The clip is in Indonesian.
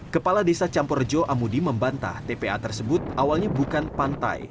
kepala desa campurjo amudi membantah tpa tersebut awalnya bukan pantai